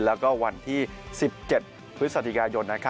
แล้วก็วันที่๑๗พฤษฐกายนต์